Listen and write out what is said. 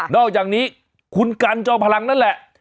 อกจากนี้คุณกันจอมพลังนั่นแหละ